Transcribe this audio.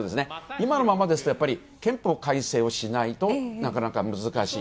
今のままですと、憲法改正をしないとなかなか難しい。